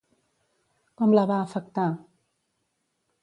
Com la va afectar?